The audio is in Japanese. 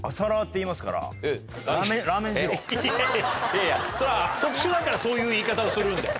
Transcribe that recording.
いやいやそりゃ特殊だからそういう言い方をするんだ。